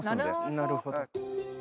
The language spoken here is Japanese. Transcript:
なるほど。